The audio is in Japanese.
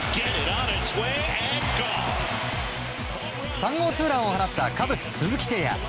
３号ツーランを放ったカブス、鈴木誠也。